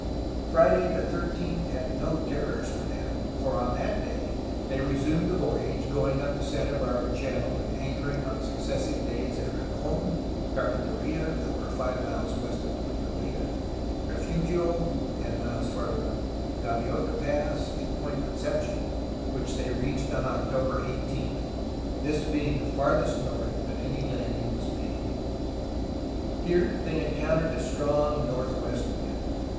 Friday, the 13th, had no terrors for them, for on that day they resumed the voyage, going up the Santa Barbara Channel and anchoring on successive days at Rincon, Carpinteria (four or five miles west of Point Goleta), Refugio (ten miles farther on), Gaviota Pass, and Point Conception, which they reached on October 18, this being the farthest north that any landing was made. Here they encountered a strong northwest wind.